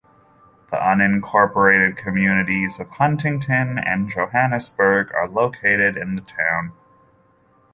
The unincorporated communities of Huntington and Johannesburg are located in the town.